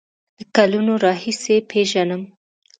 له کلونو راهیسې پیژنم.